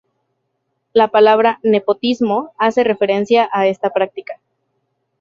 La palabra "nepotismo" hace referencia a esta práctica.